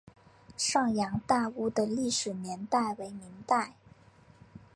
上洋大屋的历史年代为明代。